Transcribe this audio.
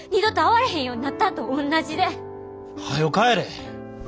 はよ帰れ！